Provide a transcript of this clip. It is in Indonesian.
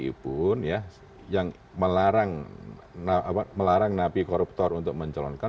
kpi pun yang melarang napi koruptor untuk mencalonkan